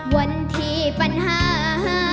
วันที่ปัญหา